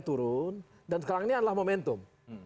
turun dan sekarang ini adalah momentum